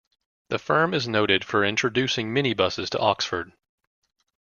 The firm is noted for introducing minibuses to Oxford.